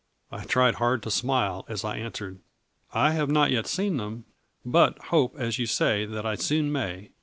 I tried hard to smile, as I answered: " I have not yet seen them, but hope as you say that I soon may.